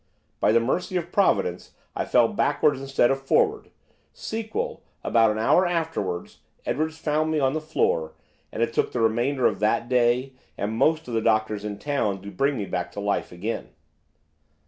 By the mercy of Providence I fell backwards instead of forwards; sequel, about an hour afterwards Edwards found me on the floor, and it took the remainder of that day, and most of the doctors in town, to bring me back to life again.